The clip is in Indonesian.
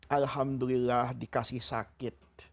alhamdulillah dikasih sakit